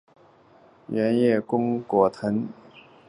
圆叶弓果藤是夹竹桃科弓果藤属的植物。